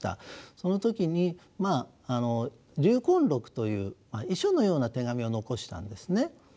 その時に「留魂録」という遺書のような手紙を残したんですね。